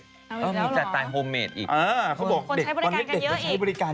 อ๋ออีกแล้วเหรอคนใช้บริการกันเยอะอีกจริงเหรอบ้างหรือเปล่า